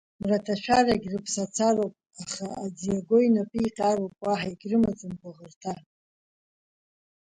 Мраҭашәарагь рыԥсацароуп, аха аӡиаго инапы иҟьароуп, уаҳа егьрымаӡам гәыӷырҭа.